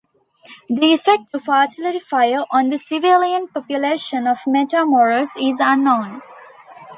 The effect of artillery fire on the civilian population of Matamoros is unknown.